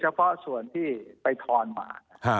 เฉพาะส่วนที่ไปทอนมา